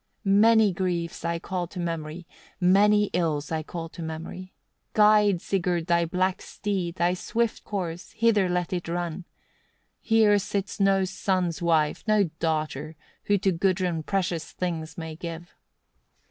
18. "Many griefs I call to memory, many ills I call to memory. Guide, Sigurd! thy black steed, thy swift courser, hither let it run. Here sits no son's wife, no daughter, who to Gudrun precious things may give.